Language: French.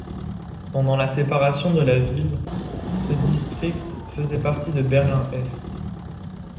Pendant la séparation de la ville, ce district faisait partie de Berlin-Est.